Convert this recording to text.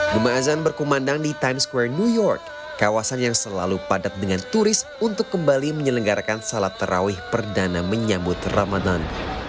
jemaah azan berkumandang di times square new york kawasan yang selalu padat dengan turis untuk kembali menyelenggarakan salat terawih perdana menyambut ramadan